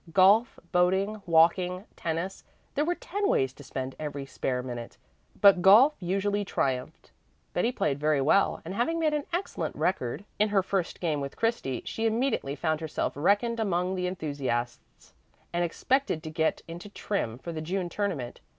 Golf, boating, walking, tennis there were ten ways to spend every spare minute. But golf usually triumphed. Betty played very well, and having made an excellent record in her first game with Christy, she immediately found herself reckoned among the enthusiasts and expected to get into trim for the June tournament.